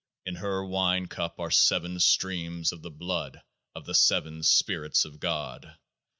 In Her wine cup are seven streams of the blood of the Seven Spirits of God.